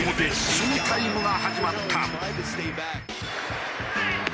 ショウタイムが始まった。